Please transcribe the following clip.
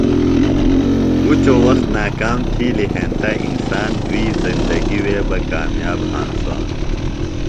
اُچوۡ وخت ناکام تِھیلیۡ ہینتہ انسان دُوئی زندگیۡ وے بہ کامیاب ہنسانوۡ۔